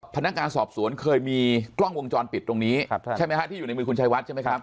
พนักงานสอบสวนเคยมีกล้องวงจรปิดตรงนี้ใช่ไหมฮะที่อยู่ในมือคุณชายวัดใช่ไหมครับ